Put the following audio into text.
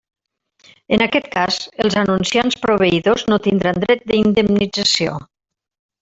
En aquest cas els anunciants proveïdors no tindran dret d'indemnització.